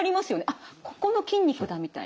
「あっここの筋肉だ」みたいな。